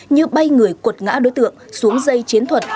như bay người cuột ngã đối tượng xuống dây chiến thuật